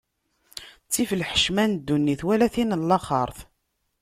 Ttif lḥecma n ddunit, wala tin n laxert.